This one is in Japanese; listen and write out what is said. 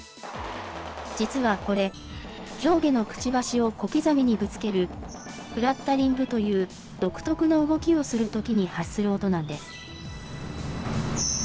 実はこれ、上下のくちばしを小刻みにぶつける、クラッタリングという独特の動きをするときに発する音なんです。